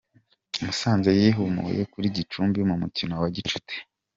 musanze yihimuye kuri gicumbi mu mukino wa gicuti